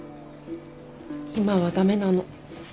今は駄目なの。